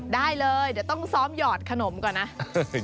ได้เลยเดี๋ยวต้องซ้อมหยอดขนมก่อนนะ